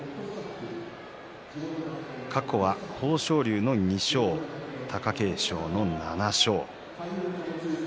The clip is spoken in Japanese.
過去は豊昇龍の２勝貴景勝の７勝。